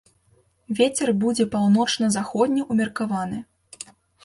Вецер будзе паўночна-заходні ўмеркаваны.